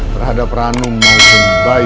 terhadap ranum maupun bayi